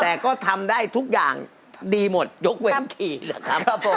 แต่ก็ทำได้ทุกอย่างดีหมดยกเว้นขี่เลยครับผม